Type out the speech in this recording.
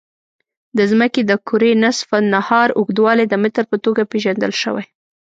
د ځمکې د کرې نصف النهار اوږدوالی د متر په توګه پېژندل شوی.